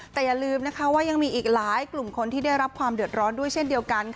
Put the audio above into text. แต่อย่าลืมนะคะว่ายังมีอีกหลายกลุ่มคนที่ได้รับความเดือดร้อนด้วยเช่นเดียวกัน